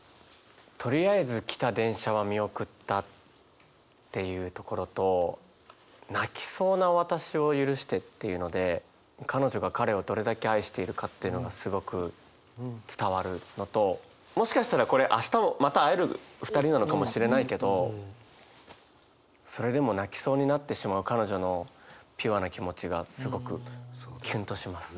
「とりあえず来た電車は見送った」っていうところと「泣きそうな私を許して」っていうので彼女が彼をどれだけ愛しているかっていうのがすごく伝わるのともしかしたらこれ明日もまた会える２人なのかもしれないけどそれでも泣きそうになってしまう彼女のピュアな気持ちがすごくキュンとします。